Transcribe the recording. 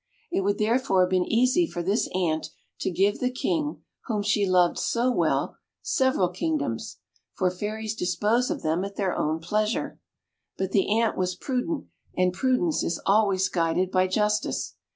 It would therefore have been easy for this Ant to give the King, whom she loved so well, several kingdoms for Fairies dispose of them at their own pleasure, but the Ant was prudent, and prudence is always guided by justice.